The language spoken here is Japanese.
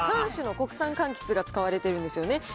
３種の国産かんきつが使われているんですよね。